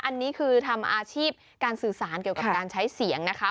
อันนี้คือทำอาชีพการสื่อสารเกี่ยวกับการใช้เสียงนะคะ